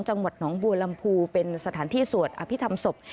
จังหวัดหนองบัวลำพูเป็นสถานที่สวดอภิษฐรรมศพ